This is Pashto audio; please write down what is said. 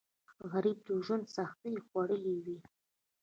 غریب د ژوند سختۍ خوړلي وي